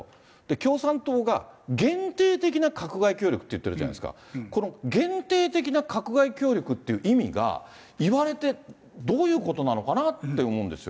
共産党が限定的な閣外協力って言ってるじゃないですか、この限定的な閣外協力っていう意味が、言われてどういうことなのかなって思うんですよ。